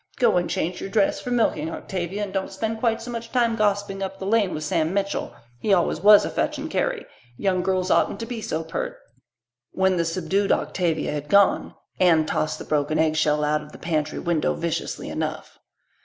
Go and change your dress for milking, Octavia, and don't spend quite so much time gossiping up the lane with Sam Mitchell. He always was a fetch and carry. Young girls oughtn't to be so pert." When the subdued Octavia had gone, Anne tossed the broken eggshell out of the pantry window viciously enough.